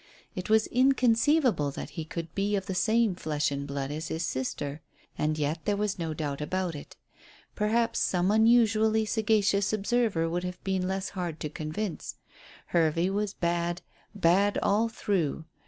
It was inconceivable that he could be of the same flesh and blood as his sister, and yet there was no doubt about it. Perhaps some unusually sagacious observer would have been less hard to convince. Hervey was bad, bad all through.